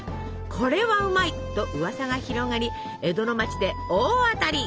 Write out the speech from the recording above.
「これはうまい！」とうわさが広がり江戸の町で大当たり！